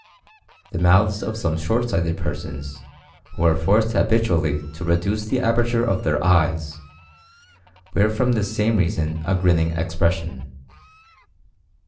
The mouths of some very short sighted persons, who are forced habitually to reduce the aperture of their eyes, wear from this same reason a grinning expression.